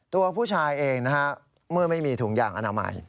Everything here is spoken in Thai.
ตัวผู้ชายเองนะฮะเมื่อไม่มีถุงยางอนามัย